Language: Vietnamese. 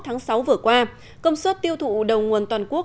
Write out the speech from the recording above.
trong suốt một tuần vừa qua công suất tiêu thụ đồng nguồn toàn quốc